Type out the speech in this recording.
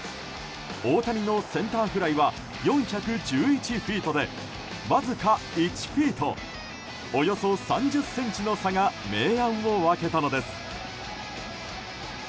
大谷のセンターフライは４１１フィートでわずか１フィートおよそ３０ｃｍの差が明暗を分けたのです。